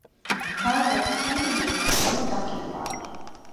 However, can be used in a normal document body.